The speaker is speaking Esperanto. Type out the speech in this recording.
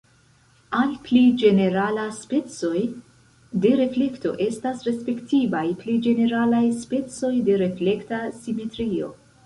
Al pli ĝenerala specoj de reflekto estas respektivaj pli ĝeneralaj specoj de reflekta simetrio.